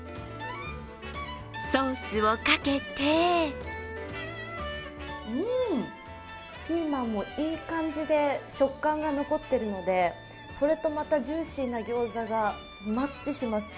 ソースをかけてうん、ピーマンもいい感じで食感が残ってるのでそれとまたジューシーなギョーザがマッチします。